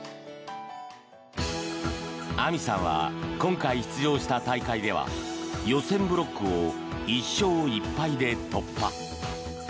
あみさんは今回出場した大会では予選ブロックを１勝１敗で突破。